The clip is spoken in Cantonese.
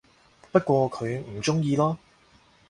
不過佢唔鍾意囉